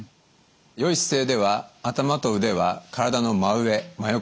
良い姿勢では頭と腕は体の真上真横にあります。